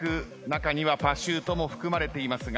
中にはパシュートも含まれていますが。